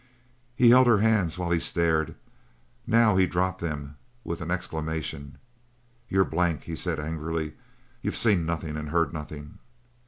He had held her hands while he stared. Now he dropped them with an exclamation. "You're blank," he said angrily. "You've seen nothing and heard nothing."